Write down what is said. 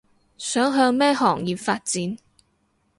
想向咩行業發展